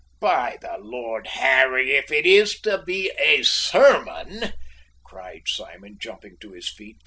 by the Lord Harry, if it is to be a sermon !" cried Simon, jumping to his feet.